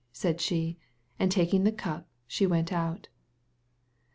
said she, and taking his cup she went out.